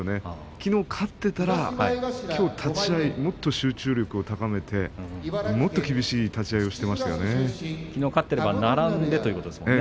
きのう勝っていたらきょう立ち合いもっと集中力を高めて、もっと厳しい立ち合いをきのう勝っていれば並んでということですね。